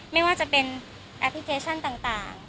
ไม่ว่าจะเป็นแอปพลิเคชันต่าง